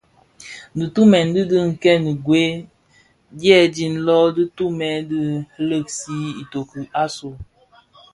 Dhitumèn di dhi kèn gwed dyèdin lō, ti nooti dhi lèèsi itoki asu.